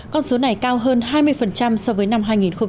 con số này cao hơn hai mươi so với năm hai nghìn một mươi tám